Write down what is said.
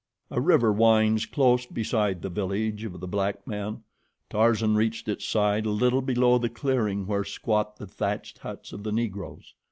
A river winds close beside the village of the black men. Tarzan reached its side a little below the clearing where squat the thatched huts of the Negroes.